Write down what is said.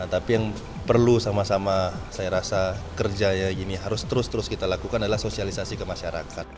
tapi yang perlu sama sama saya rasa kerja harus terus terus kita lakukan adalah sosialisasi kemasyarakat